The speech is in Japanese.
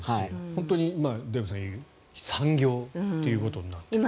本当にデーブさんが言うように産業ということになっている。